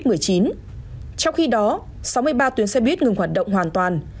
trong khi đó sáu mươi ba tuyến xe buýt ngừng hoạt động hoàn toàn